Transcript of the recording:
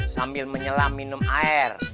sambil menyelam minum air